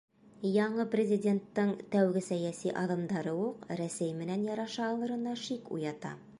Яңы президенттың тәүге сәйәси аҙымдары уҡ Рәсәй менән яраша алырына шик уята.